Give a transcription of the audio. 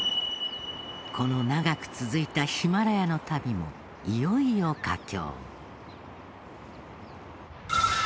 この長く続いたヒマラヤの旅もいよいよ佳境。